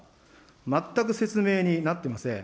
全く説明になってません。